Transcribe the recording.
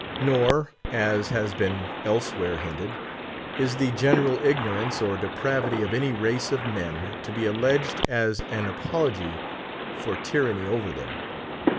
Nor, as has been elsewhere hinted, is the general ignorance or depravity of any race of men to be alleged as an apology for tyranny over them.